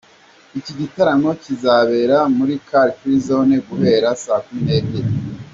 Iki gitaramo kizabera muri Car Free Zone guhera saa kumi n’ebyiri.